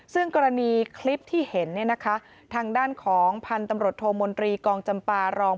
ซึ่งกรณีคลิปที่เห็นทางด้านของพันธมรตรมดรีกองจำปารอง